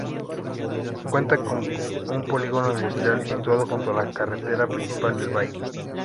Cuenta con un polígono industrial situado junto a la carretera principal del Valle.